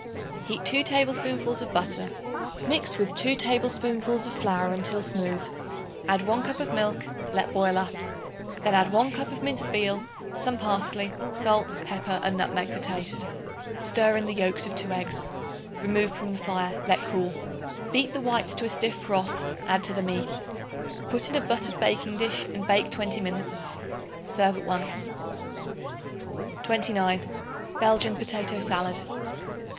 Heat 2 tablespoonfuls of butter. Mix with 2 tablespoonfuls of flour until smooth; add 1 cup of milk; let boil up. Then add 1 cup of minced veal, some parsley, salt, pepper and nutmeg to taste. Stir in the yolks of 2 eggs. Remove from the fire; let cool. Beat the whites to a stiff froth; add to the meat. Put in a buttered baking dish and bake twenty minutes. Serve at once. 29. Belgian Potato Salad.